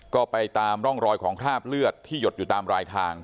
ก็ไปตามร่องรอยของคราบเลือดที่หยดอยู่ตามรายทาง